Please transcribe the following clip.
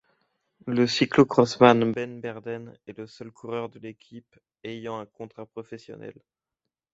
Le cyclo-crossman Ben Berden est le seul coureur de l'équipe ayant un contrat professionnel.